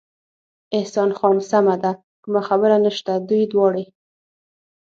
احسان خان: سمه ده، کومه خبره نشته، دوی دواړې.